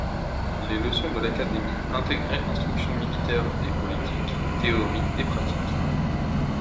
Les leçons de l'Académie intégraient instruction militaire et politique, théorie et pratique.